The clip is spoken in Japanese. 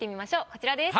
こちらです。